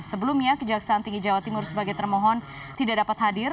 sebelumnya kejaksaan tinggi jawa timur sebagai termohon tidak dapat hadir